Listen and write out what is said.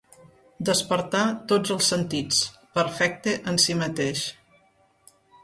Despertar tots els sentits, perfecte en si mateix.